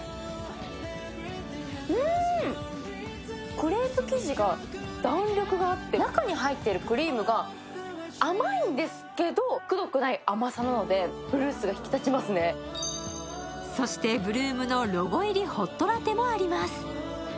うん、クレープ生地が弾力があって、中に入ってるクリームが甘いんですけどくどくない甘さなのでそして８ＬＯＯＭのホットラテもあります。